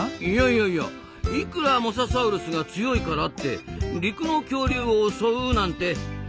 いやいやいやいくらモササウルスが強いからって陸の恐竜を襲うなんて